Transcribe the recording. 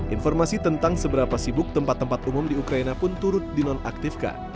informasi tentang seberapa sibuk tempat tempat umum di ukraina pun turut dinonaktifkan